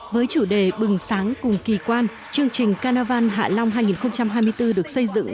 với chủ đề bừng sám cùng kỳ quan chương trình căn đà vàn hạ long hai nghìn hai mươi bốn được xây dựng